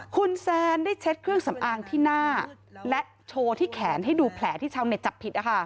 คุณแซนได้เช็ดเครื่องสำอางที่หน้าและโชว์ที่แขนให้ดูแผลที่ชาวเน็ตจับผิด